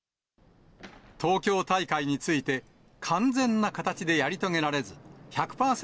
東京大会について、完全な形でやり遂げられず、１００％